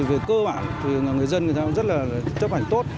về cơ bản thì người dân rất là chấp hành tốt